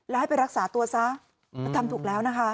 แล้วให้ไปรักษาตัวซะแล้วทำถูกแล้วนะคะ